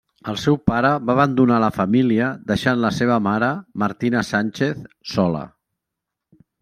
El seu pare va abandonar la família, deixant la seva mare, Martina Sánchez, sola.